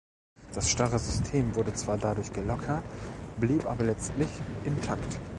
Das starre System wurde zwar dadurch gelockert, blieb aber letztlich intakt.